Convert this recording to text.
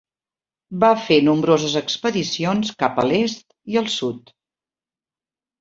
Va fer nombroses expedicions cap a l'est i el sud.